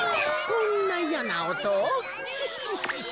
こんないやなおとをシッシッシッシ。